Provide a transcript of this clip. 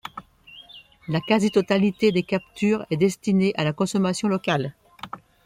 La quasi-totalité des captures est destinée à la consommation locale.